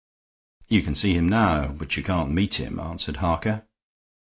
"You can see him now; but you can't meet him," answered Harker.